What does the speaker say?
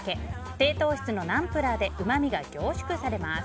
低糖質のナンプラーでうまみが凝縮されます。